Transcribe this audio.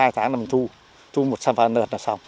hai tháng là mình thu thu một hai lần là xong